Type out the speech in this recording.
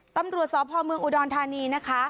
ตำรวจสพเมืองอุดรธานีนะคะ